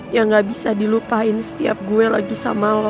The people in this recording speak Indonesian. yang gak bisa dilupain setiap gue lagi sama lo